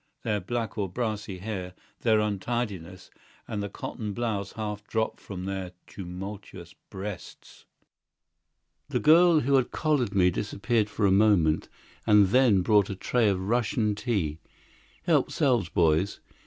their black or brassy hair, their untidiness, and the cotton blouses half dropped from their tumultuous breasts.... The girl who had collared me disappeared for a moment, and then brought a tray of Russian tea. "Help 'selves, boys!"